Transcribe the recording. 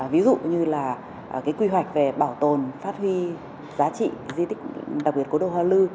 ví dụ như là quy hoạch về bảo tồn phát huy giá trị di tích đặc biệt cố đô hoa lư